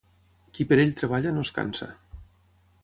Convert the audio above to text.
Qui per ell treballa, no es cansa.